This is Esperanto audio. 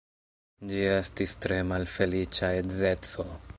Ĝi estis tre malfeliĉa edzeco.